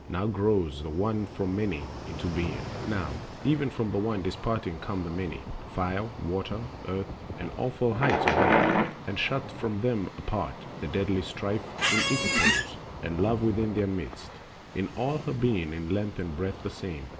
Now grows The One from Many into being, now Even from the One disparting come the Many,— Fire, Water, Earth and awful heights of Air; And shut from them apart, the deadly Strife In equipoise, and Love within their midst In all her being in length and breadth the same.